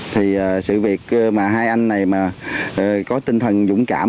thì sự việc mà hai anh này mà có tinh thần dũng cảm